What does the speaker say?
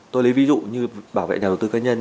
tôi lấy ví dụ như bảo vệ nhà đầu tư cá nhân